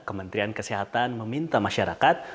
kementerian kesehatan meminta masyarakat